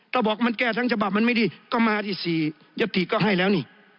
ถ้าบอกมันแก้ทั้งฉบับมันไม่ดีก็มาที่๔ยัตติก็ให้แล้วนี่